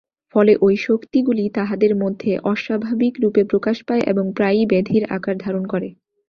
ফলে ঐ শক্তিগুলি তাঁহাদের মধ্যে অস্বাভাবিকরূপে প্রকাশ পায় এবং প্রায়ই ব্যাধির আকার ধারণ করে।